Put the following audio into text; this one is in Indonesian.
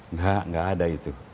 nggak nggak ada itu